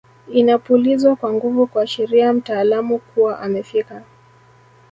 Inapulizwa kwa nguvu kuashiria mtaalamu kuwa amefika